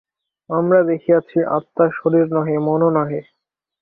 আমরা দেখিয়াছি, আত্মা শরীর নহে, মনও নহে।